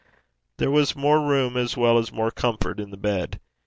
There was more room as well as more comfort in the bed.